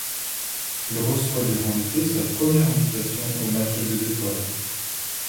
Il reçoit durant l'été sa première invitation au match des étoiles.